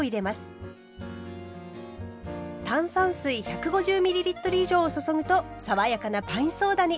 炭酸水１５０ｍ以上を注ぐと爽やかなパインソーダに！